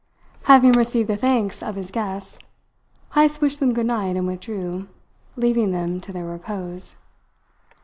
Having received the thanks of his guests, Heyst wished them goodnight and withdrew, leaving them to their repose.